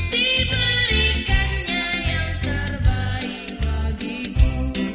diberikannya yang terbaik bagiku